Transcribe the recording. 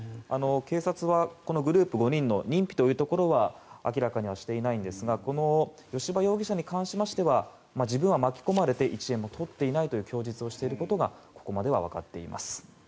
警察は、このグループの５人の認否というところは明らかにはしていないんですが吉羽容疑者に関しましては自分は巻き込まれて１円もとっていないという供述をしていることがここまでは分かっています。